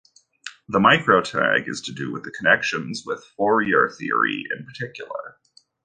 The "micro-" tag is to do with connections with Fourier theory, in particular.